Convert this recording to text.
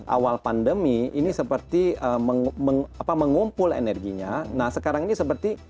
awal pandemi ini seperti mengumpul energinya nah sekarang ini seperti